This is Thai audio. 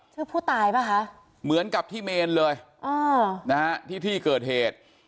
ชื่อผู้ตายป่ะคะเหมือนกับที่เมนเลยอ๋อนะฮะที่ที่เกิดเหตุ